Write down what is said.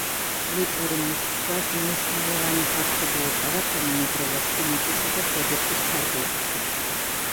ლიტორინის ზღვას მნიშვნელოვანი ფართობი ეკავა თანამედროვე ფინეთისა და შვედეთის ფარგლებში.